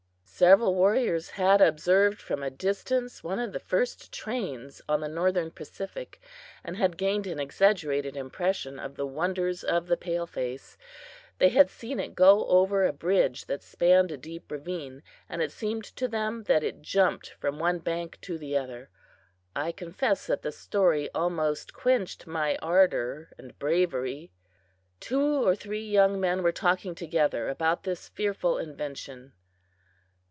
Several warriors had observed from a distance one of the first trains on the Northern Pacific, and had gained an exaggerated impression of the wonders of the pale face. They had seen it go over a bridge that spanned a deep ravine and it seemed to them that it jumped from one bank to the other. I confess that the story almost quenched my ardor and bravery. Two or three young men were talking together about this fearful invention.